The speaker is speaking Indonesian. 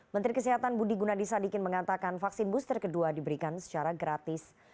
menteri kesehatan budi gunadisadikin mengatakan vaksin booster kedua diberikan secara gratis